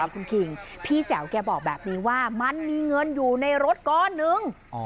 คุณคิงพี่แจ๋วแกบอกแบบนี้ว่ามันมีเงินอยู่ในรถก้อนนึง